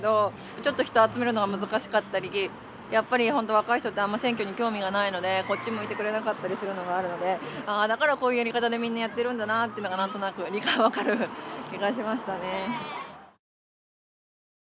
ちょっと人を集めるのが難しかったりやっぱり本当若い人ってあんま選挙に興味がないのでこっち向いてくれなかったりするのがあるのでだからこういうやり方でみんなやってるんだなっていうのが何となく分かる気がしましたね。